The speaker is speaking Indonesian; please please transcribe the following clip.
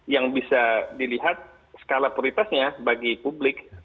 yang bisa dilihat skala prioritasnya bagi publik